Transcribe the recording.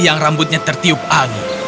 yang rambutnya tertiup angin